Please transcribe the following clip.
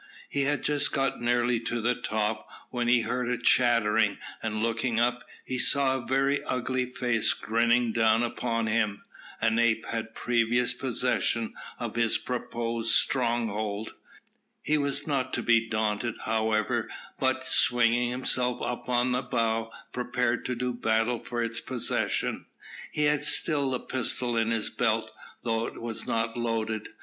He had got nearly to the top, when he heard a chattering, and looking up, he saw a very ugly face grinning down upon him. An ape had previous possession of his proposed stronghold. He was not to be daunted, however, but, swinging himself up on the bough, prepared to do battle for its possession. He had still a pistol in his belt, though it was not loaded.